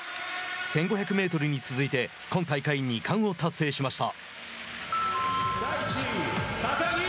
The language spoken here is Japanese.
１５００メートルに続いて今大会二冠を達成しました。